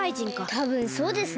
たぶんそうですね。